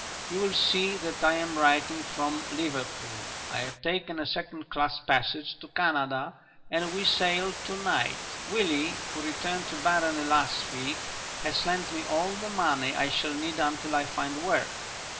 "You will see that I am writing from Liverpool. I have taken a second class passage to Canada and we sail to night. Willie, who returned to Barony last week, has lent me all the money I shall need until I find work.